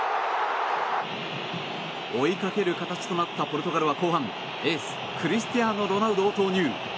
追いかける形となったポルトガルは後半エースクリスティアーノ・ロナウドを投入。